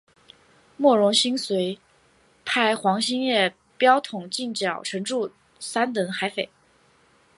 莫荣新遂派黄兴业标统进剿陈祝三等海匪。